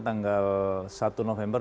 tanggal satu november dua ribu delapan belas